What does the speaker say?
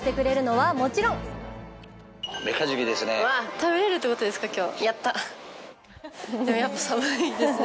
食べれるってことですね。